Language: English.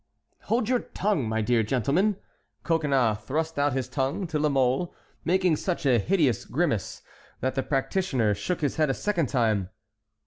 "Hold out your tongue, my dear gentleman." Coconnas thrust out his tongue to La Mole, making such a hideous grimace that the practitioner shook his head a second time.